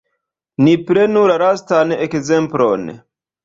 Ni prenu lastan ekzemplon.